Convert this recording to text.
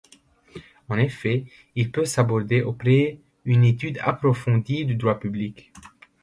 En effet, il peut s'aborder après une étude approfondie du droit public.